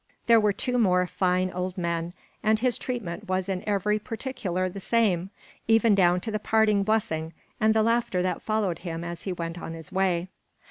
There were two more fine old men, and his treatment was in every particular the same, even down to the parting blessing and the laughter that followed him as he went his way.